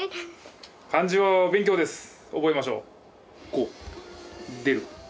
こう出る。